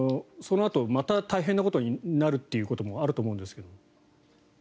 そのあとまた大変なことになるということもあると思うんですが。